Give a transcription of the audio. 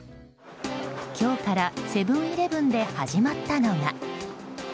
今日からセブン‐イレブンで始まったのが。